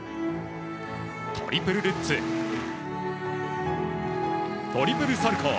トリプルルッツトリプルサルコウ。